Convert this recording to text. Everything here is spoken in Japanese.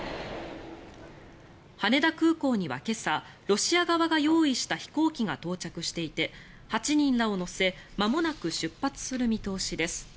羽田空港には今朝ロシア側が用意した飛行機が到着していて８人らを乗せまもなく出発する見通しです。